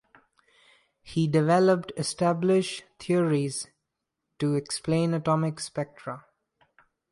He developed establish theories to explain atomic spectra.